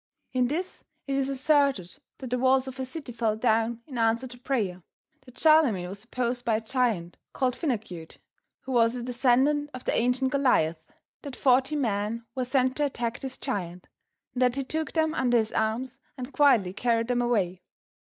In this it is asserted that the walls of a city fell down in answer to prayer; that Charlemagne was opposed by a giant called Fenacute who was a descendant of the ancient Goliath; that forty men were sent to attack this giant, and that he took them under his arms and quietly carried them away.